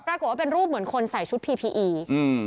ปรากฏว่าเป็นรูปเหมือนคนใส่ชุดพีพีอีอืม